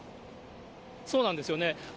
そうなんですよね。